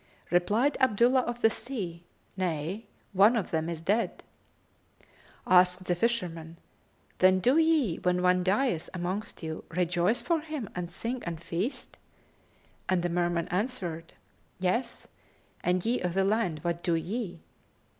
Replied Abdullah of the Sea, "Nay; one of them is dead." Asked the fisherman, "Then do ye, when one dieth amongst you, rejoice for him and sing and feast?"; and the Merman answered, "Yes: and ye of the land, what do ye?"